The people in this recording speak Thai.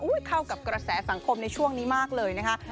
เข้ากับกระแสสังคมในช่วงนี้มากเลยนะคะ